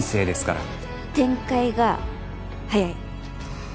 展開が早い。